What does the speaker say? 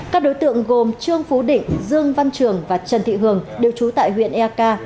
các đối tượng gồm trương phú định dương văn trường và trần thị hường đều trú tại huyện eak